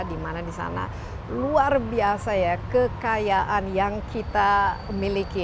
di mana di sana luar biasa ya kekayaan yang kita miliki